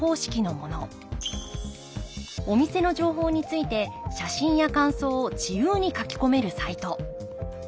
お店の情報について写真や感想を自由に書き込めるサイト。